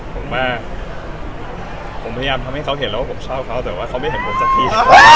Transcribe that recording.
ผมว่าผมพยายามทำให้เขาเห็นแล้วว่าผมชอบเขาแต่ว่าเขาไม่เห็นผมสักที